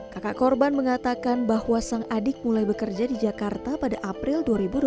kakak korban mengatakan bahwa sang adik mulai bekerja di jakarta pada april dua ribu dua puluh